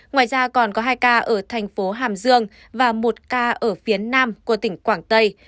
ngoài ra còn có hai ca ở thành phố hàm dương và một ca ở phía nam của tỉnh quảng tây